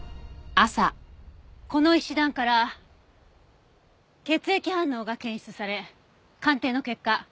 この石段から血液反応が検出され鑑定の結果